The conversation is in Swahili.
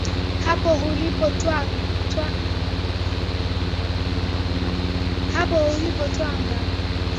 Hapo ulipo twang'aa.